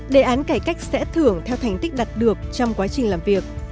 đề án cải cách sẽ thưởng theo thành tích đạt được trong quá trình làm việc